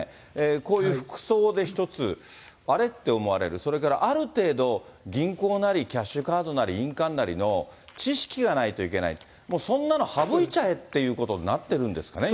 こういう服装で一つ、あれって思われる、それからある程度、銀行なりキャッシュカードなり、印鑑なりの知識がないといけない、もうそんなの省いちゃえということになってるんですかね、今。